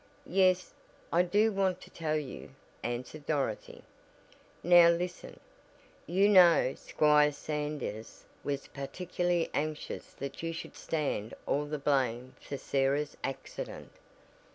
"Yes, I do want to tell you," answered Dorothy, "Now listen. You know Squire Sanders was particularly anxious that you should stand all the blame for Sarah's accident."